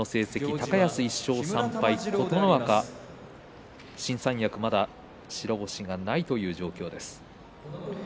高安は１勝３敗、琴ノ若は新三役、まだ白星がないという状況です。